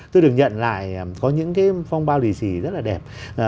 tôi được nhận lại có những cái phong bao lì xì rất là đẹp